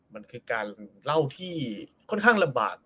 มันคือการเล่าที่ค่อนข้างลำบาก